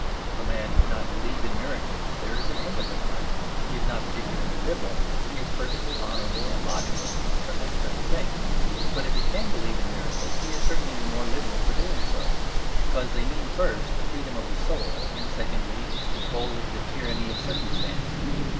If a man cannot believe in miracles there is an end of the matter; he is not particularly liberal, but he is perfectly honourable and logical, which are much better things. But if he can believe in miracles, he is certainly the more liberal for doing so; because they mean first, the freedom of the soul, and secondly, its control over the tyranny of circumstance.